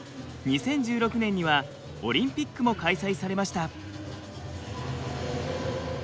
２０１６年にはオリンピックも開催されました。